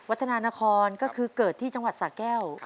พัฒนานครก็คือเกิดที่จังหวัดสะแก้ว